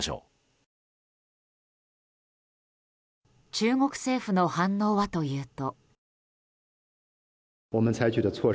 中国政府の反応はというと。